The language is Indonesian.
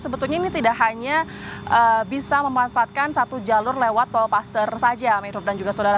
sebetulnya ini tidak hanya bisa memanfaatkan satu jalur lewat tol paster saja menurut dan juga saudara